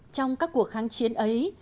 trong các cuộc kháng chiến ấy